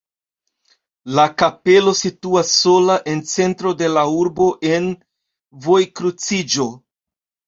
La kapelo situas sola en centro de la urbo en vojkruciĝo.